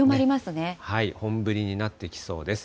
本降りになってきそうです。